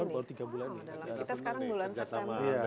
per tiga bulan ini